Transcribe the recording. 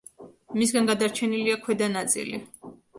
მისგან გადარჩენილია ქვედა ნაწილი.